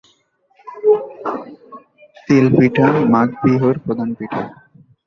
তিল পিঠা মাঘ বিহুর প্রধান পিঠা।